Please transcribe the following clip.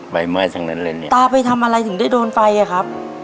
ไหม้ทั้งนั้นเลยเนี่ยตาไปทำอะไรถึงได้โดนไฟอ่ะครับ